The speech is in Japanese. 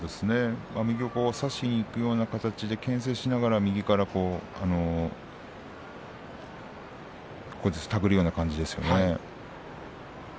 右を差しにいくような形でけん制しながら右から手繰るような感じですよね。